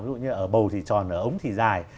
ví dụ như ở bầu thì tròn ở ống thì dài